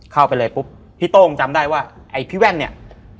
เข้าไปเลยปุ๊บพี่โต้งจำได้ว่าไอ้พี่แว่นเนี่ย